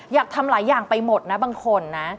อยากทำหลายอย่างไปหมดนะบางคนนะ